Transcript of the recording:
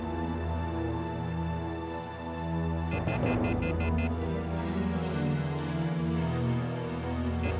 supermarket mana dari aku jemput